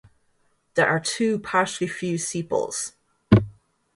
There are two partially fused sepals.